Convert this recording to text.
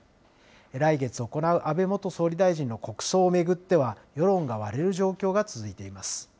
来月行う安倍元総理大臣の国葬を巡っては、世論が割れる状況が続いています。